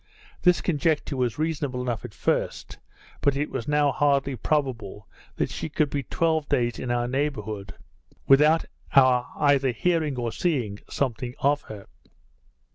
This conjecture was reasonable enough at first, but it was now hardly probable she could be twelve days in our neighbourhood, without our either hearing or seeing something of her.